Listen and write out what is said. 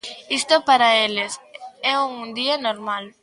Isto para eles é un día normal.